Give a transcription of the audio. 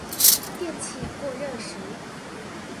電器過熱時